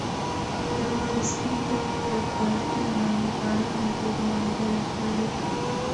د واورې سپین پوښ پر بالکن باندې په ارامه توګه غوړېدلی ښکارېده.